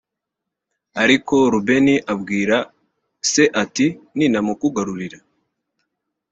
ariko rubeni abwira se ati “nintamukugarurira…”